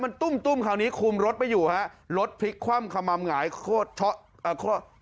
มันตุ้มตุ้มคราวนี้คลุมรถไปอยู่ฮะรถพลิกคว่ำขมามหงายโคตรช็อต